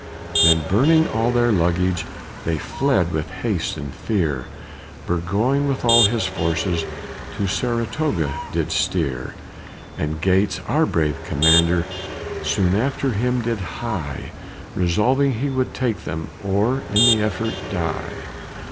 Then, burning all their luggage, They fled with haste and fear, Burgoyne with all his forces, To Saratoga did steer; And Gates, our brave commander, Soon after him did hie, Resolving he would take them, Or in the effort die.